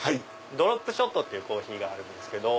ドロップショットっていうコーヒーがあるんですけど。